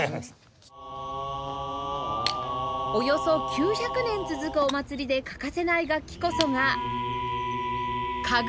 およそ９００年続くお祭りで欠かせない楽器こそが